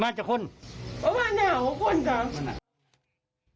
มาจากคนเพราะว่าเนี่ยเหาะคนค่ะ